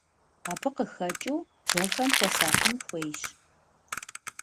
Абы къыхэкӀыу дзэхэм хуэсакъын хуейщ.